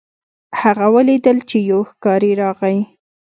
هغه ولیدل چې یو ښکاري راغی.